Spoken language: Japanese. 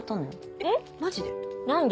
えっマジで？